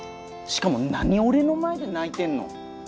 しかも何俺の前で泣いてんの？